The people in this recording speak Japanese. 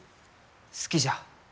好きじゃ。